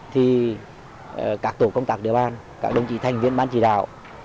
thì các tổ công tác địa bàn các đồng chí thanh viên bán chỉ đạo